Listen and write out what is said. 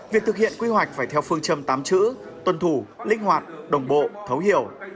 việc thực hiện quy hoạch phải theo phương châm tám chữ tuân thủ linh hoạt đồng bộ thấu hiểu